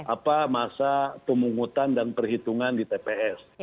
apa masa pemungutan dan perhitungan di tps